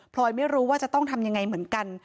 ลอยไม่รู้ว่าจะต้องทำยังไงเหมือนกัน